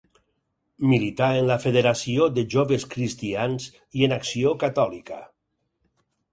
Milità en la Federació de Joves Cristians i en Acció Catòlica.